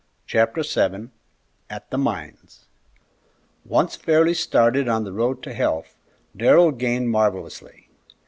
Chapter VII AT THE MINES Once fairly started on the road to health, Darrell gained marvellously.